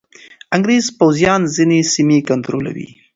انګریز پوځیان ځینې سیمې کنټرولوي.